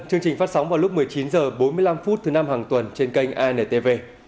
chương trình phát sóng vào lúc một mươi chín h bốn mươi năm thứ năm hàng tuần trên kênh intv